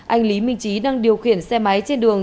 anh lý minh trí đang điều khiển xe máy trên đường